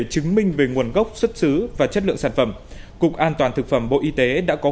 chứng minh về nguồn gốc xuất xứ và chất lượng sản phẩm cục an toàn thực phẩm bộ y tế đã có